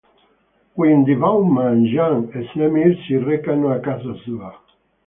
Quindi, Baumann, Jan e Semir si recano a casa sua.